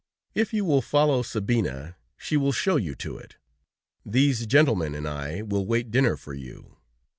If you will follow Sabina, she will show you to it. These gentlemen and I will wait dinner for you."